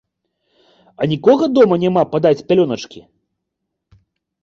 А нікога дома няма падаць пялёначкі?